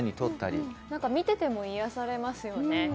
見てても癒されますね。